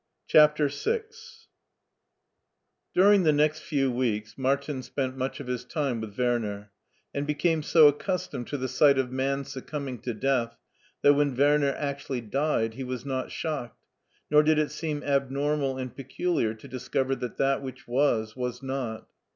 CHAPTER VI DURING the next few weeks Martin spent much of his time with Werner, and became so accustomed to the sight of Man succumb ing to Death, that when Werner actually died he was not shocked nor did it seem abnormal and peculiar to discover that that which was was not.